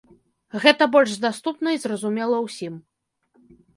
Гэта больш даступна і зразумела ўсім.